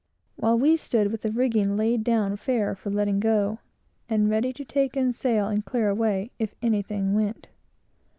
while we stood with the rigging laid down fair for letting go, and ready to take in sail and clear away, if anything went.